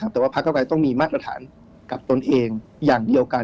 แต่ว่าพระเก้าไกรต้องมีมาตรฐานกับตนเองอย่างเดียวกัน